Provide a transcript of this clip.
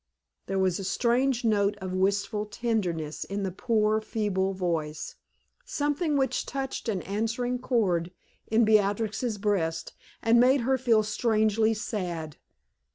There was a strange note of wistful tenderness in the poor, feeble voice something which touched an answering chord in Beatrix's breast and made her feel strangely sad.